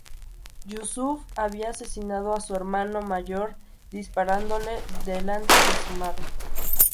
Yusuf había asesinado a su hermano mayor disparándole delante de su madre.